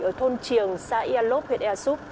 ở thôn triều xã ea lốp huyện ea su